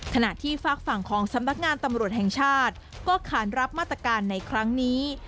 ขณะที่ฝากฝั่งของสำนักงานตำรวจแห่งชาติก็ขานรับมาตรการในครั้งนี้